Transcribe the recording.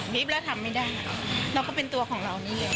บี๊บแล้วทำไม่ได้เราก็เป็นตัวของเรานี่